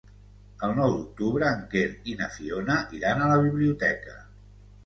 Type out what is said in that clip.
El nou d'octubre en Quer i na Fiona iran a la biblioteca.